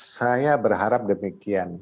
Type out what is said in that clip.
saya berharap demikian